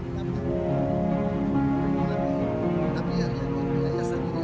jadi kalau kalian kenal apa itu